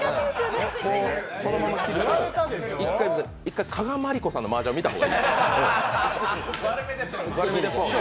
そのまま切ると、１回加賀まりこさんのマージャンを見た方がいい。